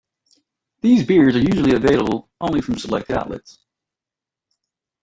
These beers are usually available only from selected outlets.